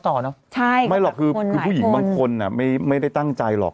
ใช่กับหลักคนหลายคนไม่หรอกคือผู้หญิงบางคนไม่ได้ตั้งใจหรอก